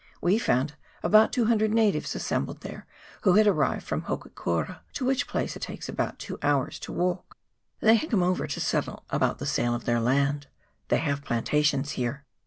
We found about 200 natives assembled there who had arrived from Hokokuri, to which place it takes about two hours to walk ; they had come over to settle about the sale of their land ; they have plantations here.